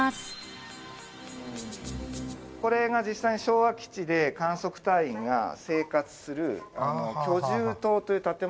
これが実際に昭和基地で観測隊員が生活する居住棟という建物があって。